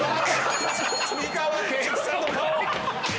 美川憲一さんの顔！